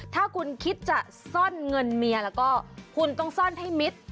ถ้าคุณคิดจะซ่อนเงินเมียแล้วก็คุณต้องซ่อนให้มิด